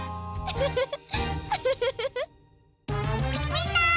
みんな！